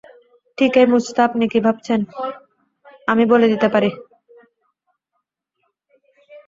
ঠিক এই মুছতে আপনি কী ভাবছেন, আমি বলে দিতে পারি।